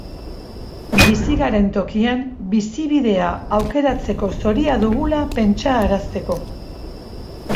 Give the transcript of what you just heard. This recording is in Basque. Bizi garen tokian bizibidea aukeratzeko zoria dugula pentsarazteko.